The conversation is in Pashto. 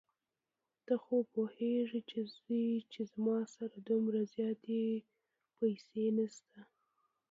ته خو پوهېږې چې زما سره دومره زياتې روپۍ نشته.